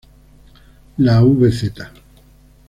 La vz.